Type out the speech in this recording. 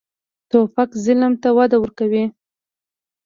توپک ظلم ته وده ورکوي.